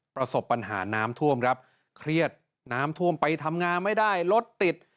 ประสบปัญหาน้ำท่วมครับเครียดน้ำท่วมไปทำงานไม่ได้รถติด